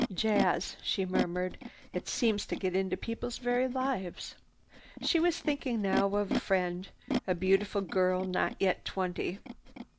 "Jazz," she murmured. "It seems to get into people's very lives." She was thinking now of a friend, a beautiful girl not yet twenty.